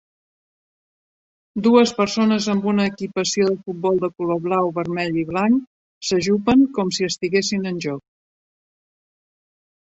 Dues persones amb una equipació de futbol de color blau, vermell i blanc s'ajupen com si estiguessin en joc.